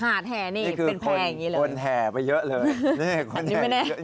หาดแห่นี้วิสูญแผ่งอย่างนี้เลย